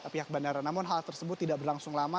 pihak bandara namun hal tersebut tidak berlangsung lama